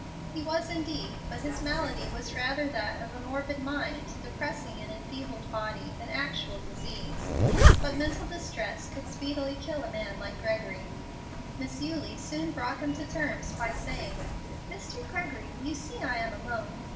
He was indeed; but his malady was rather that of a morbid mind depressing an enfeebled body than actual disease. But mental distress could speedily kill a man like Gregory. Miss Eulie soon brought him to terms by saying, "Mr. Gregory, you see I am alone.